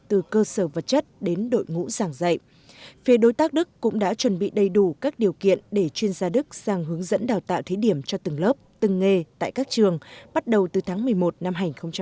từ cơ sở vật chất đến đội ngũ giảng dạy phía đối tác đức cũng đã chuẩn bị đầy đủ các điều kiện để chuyên gia đức sang hướng dẫn đào tạo thí điểm cho từng lớp từng nghề tại các trường bắt đầu từ tháng một mươi một năm hai nghìn một mươi chín